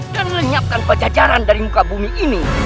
dan menyiapkan pajajaran dari muka bumi ini